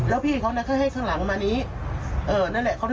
แล้วพี่เขาแค่ให้ข้างหลังมานี้